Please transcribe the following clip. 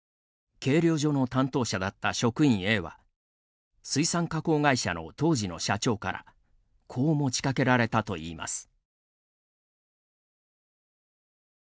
計量所の担当者だった職員Ａは水産加工会社の当時の社長からこう持ちかけられたといいます。